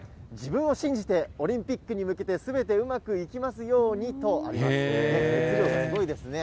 自分を信じてオリンピックに向けてすべてうまくいきますようにとあります。